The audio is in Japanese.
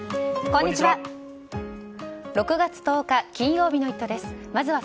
こんにちは。